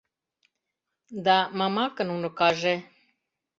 — Да Мамакын уныкаже!